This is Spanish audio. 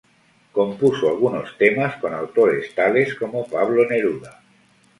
Compuso algunos temas con autores tales como Pablo Neruda.